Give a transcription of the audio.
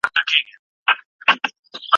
صدقه د بنده لپاره په دنیا او اخرت کي ګټوره ده.